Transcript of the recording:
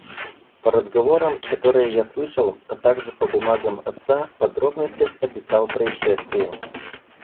По разговорам, которые я слышал, а также по бумагам отца, в подробностях описал происшествие.